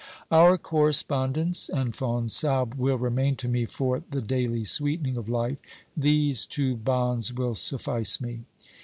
Our correspondence and Fonsalbe will remain to me for the daily sweetening of life ; these two bonds will suffice me.